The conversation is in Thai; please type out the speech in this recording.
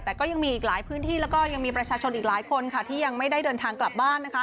แต่ก็ยังมีอีกหลายพื้นที่แล้วก็ยังมีประชาชนอีกหลายคนค่ะที่ยังไม่ได้เดินทางกลับบ้านนะคะ